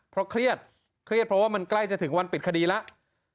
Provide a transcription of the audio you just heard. เพราะเครียดเครียดเพราะว่ามันใกล้จะถึงวันปิดคดีแล้ว